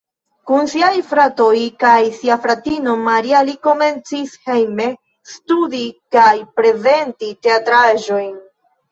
Kun siaj fratoj kaj sia fratino Maria li komencis hejme studi kaj prezenti teatraĵojn.